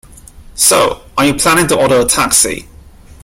So, are you planning to order a taxi?